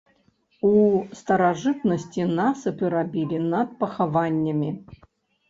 У старажытнасці насыпы рабілі над пахаваннямі.